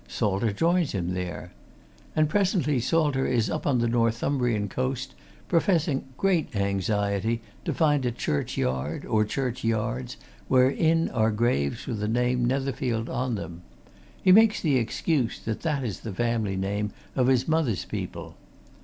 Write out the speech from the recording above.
Salter joins him there. And presently Salter is up on the Northumbrian coast, professing great anxiety to find a churchyard, or churchyards wherein are graves with the name Netherfield on them he makes the excuse that that is the family name of his mother's people.